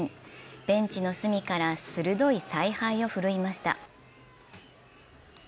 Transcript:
ベンチの隅から鋭い采配を振るいました。